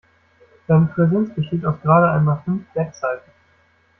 Seine Präsenz besteht aus gerade einmal fünf Webseiten.